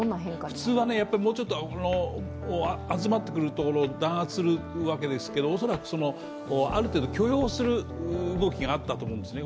普通はもうちょっと集まってくるところを弾圧するわけですけども恐らく、ある程度、許容する動きがあったと思うんですね。